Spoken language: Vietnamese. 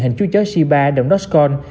hình chú chó shiba đồng dogecoin